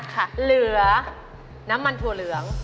เหลือน้ำมันถั่วเหลือง